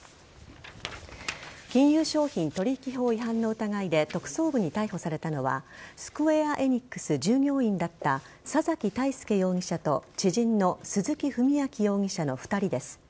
金融商品取引法違反の疑いで特捜部に逮捕されたのはスクウェア・エニックス従業員だった佐崎泰介容疑者と知人の鈴木文章容疑者の２人です。